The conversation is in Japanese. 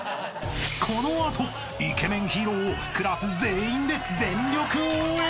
［この後イケメンヒーローをクラス全員で全力応援］